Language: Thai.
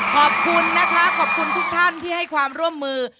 ขอบคุณนะคะขอบคุณทุกท่านที่ให้ความร่วมมือ